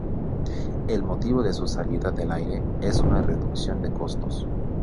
El motivo de su salida del aire es una reducción de costos.